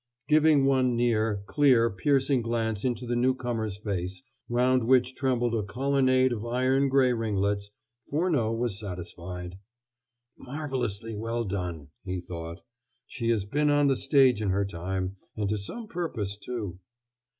Giving one near, clear, piercing glance into the newcomer's face, round which trembled a colonnade of iron gray ringlets, Furneaux was satisfied. "Marvelously well done!" he thought. "She has been on the stage in her time, and to some purpose, too."